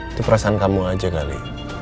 itu perasaan kamu aja kali